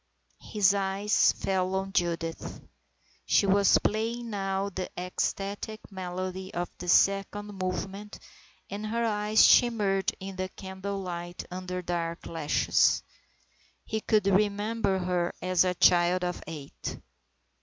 His eyes fell on Judith. She was playing now the ecstatic melody of the second movement, and her eyes shimmered in the candle light under dark lashes. He could remember her as a child of eight.